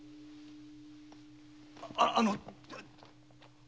あっあの。